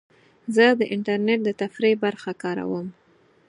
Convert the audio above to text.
زه د انټرنیټ د تفریح برخه کاروم.